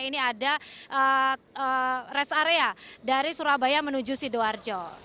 ini ada rest area dari surabaya menuju sidoarjo